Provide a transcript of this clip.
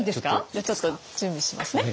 じゃあちょっと準備しますね。